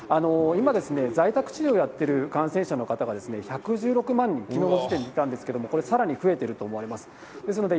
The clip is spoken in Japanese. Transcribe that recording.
今、在宅治療をやってる感染者の方が１１６万人きのうの時点でいたんですけれども、これさらに増えてると思われます。